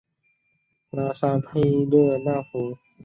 拉沙佩勒纳夫。